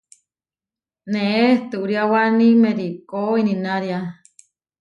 Neé ehturiáwani merikó ininária.